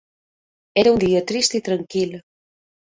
Era un dia trist i tranquil.